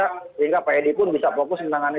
sehingga pak edi pun bisa fokus menangani